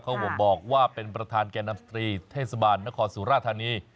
เขาบอกว่าเป็นประธานแก่นำสตรีเทศบาลนครสุราธานี